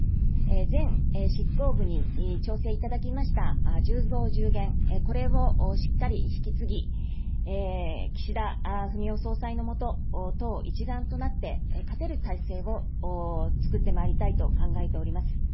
前執行部に調整いたしました１０増１０減、これをしっかり引き継ぎ、岸田文雄総裁のもと、党一丸となって、勝てる態勢を作ってまいりたいと考えております。